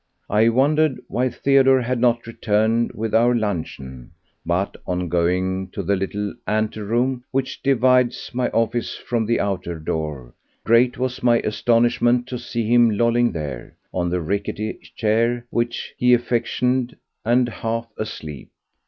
I wondered why Theodore had not returned with our luncheon, but on going to the little anteroom which divides my office from the outer door, great was my astonishment to see him lolling there on the rickety chair which he affectioned, and half asleep.